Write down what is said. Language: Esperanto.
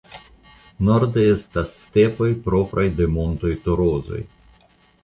Norde estas stepoj propraj de Montoj Torozoj.